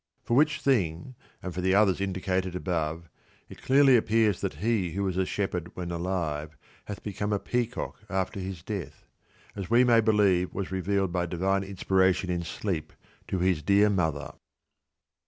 For which thing, and for the others indicated above, it clearly ap pears that he who was a shepherd when alive hath be come a peacock after his death, as we may believe was revealed by divine inspiration in sleep to his dear mother.